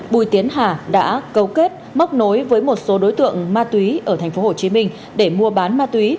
bùi tiến hà đã cấu kết móc nối với một số đối tượng ma túy ở tp hcm để mua bán ma túy